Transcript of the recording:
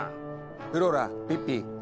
フローラピッピ。